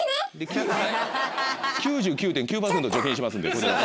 ９９．９％除菌しますんで。